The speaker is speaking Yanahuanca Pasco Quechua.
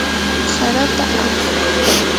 harata ankay.